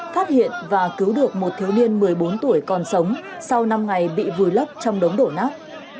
phát hiện và cứu được một thiếu niên một mươi bốn tuổi còn sống sau năm ngày bị vùi lấp trong đống đổ nát